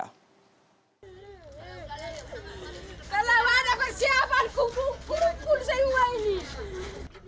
kalau ada persiapan kukur kukur semua ini